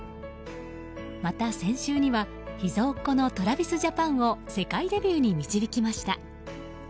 また先週には秘蔵っ子のＴｒａｖｉｓＪａｐａｎを世界デビューに導きました。